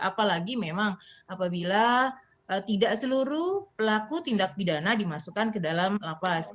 apalagi memang apabila tidak seluruh pelaku tindak pidana dimasukkan ke dalam lapas